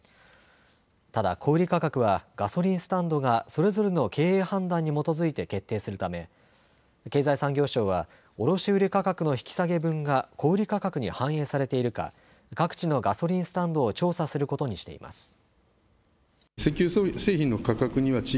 ただ小売価格はガソリンスタンドがそれぞれの経営判断に基づいて決定するため経済産業省は卸売価格の引き下げ分が小売り価格に反映されているか各地のガソリンスタンドを調査することにしています。